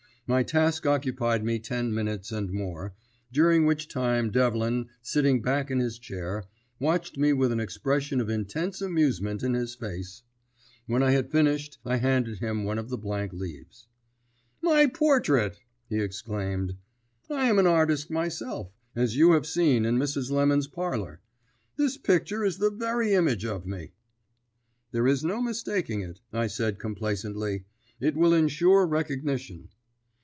My task occupied me ten minutes and more, during which time Devlin, sitting back in his chair, watched me with an expression of intense amusement in his face. When I had finished I handed him one of the blank leaves. "My portrait!" he exclaimed. "I am an artist myself, as you have seen in Mrs. Lemon's parlour. This picture is the very image of me!" "There is no mistaking it," I said complacently. "It will insure recognition."